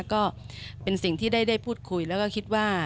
ก็เป็นสิ่งที่ได้พูดคุยแล้วก็คิดว่า